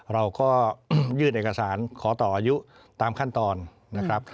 เราก็ยืดเอกสารขอต่ออายุตามขั้นตอนนะครับ